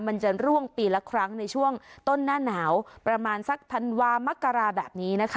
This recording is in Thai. มันจะร่วงปีละครั้งในช่วงต้นหน้าหนาวประมาณสักธันวามักกราแบบนี้นะคะ